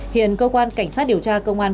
hiện cơ quan cảnh sát điều tra công an